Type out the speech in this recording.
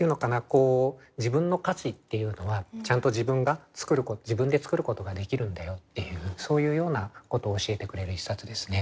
こう「自分の価値っていうのはちゃんと自分でつくることができるんだよ」っていうそういうようなことを教えてくれる一冊ですね。